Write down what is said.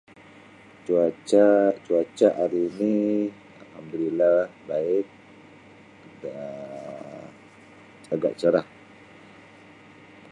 Cuaca cuaca hari ni Alhamdulillah baik Um agak cerah.